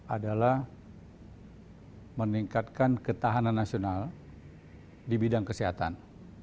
adalah meningkatkan ketahanan nasional di bidang kesehatan